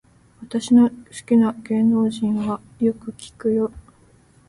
私の好きな芸能人はよく聞くよ